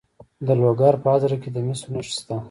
د لوګر په ازره کې د مسو نښې شته.